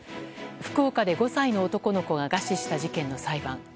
福岡で５歳の男の子が餓死した事件の裁判。